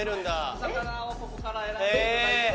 お魚をここから選んでいただいて。